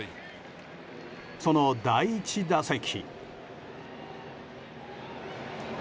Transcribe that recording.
その第１打席。